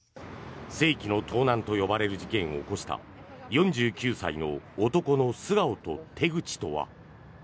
世紀の盗難と呼ばれる事件を起こした４９歳の男の素顔と手口とは。